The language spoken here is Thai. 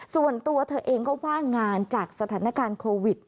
ส่วนตัวเธอเองก็ว่างงานจากสถานการณ์โควิด